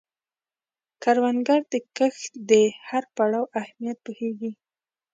کروندګر د کښت د هر پړاو اهمیت پوهیږي